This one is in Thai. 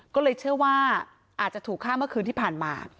ก็เลยเชื่อว่าอาจจะถูกฆ่าเมื่อคืนที่ผ่านมา